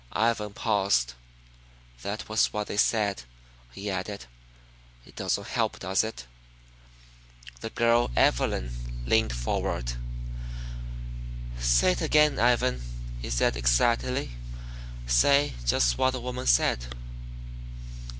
Ivan paused. "That was all they said," he added. "It doesn't help, does it?" The girl Evelyn leaned forward. "Say it again, Ivan," she said excitedly. "Say just what the woman said."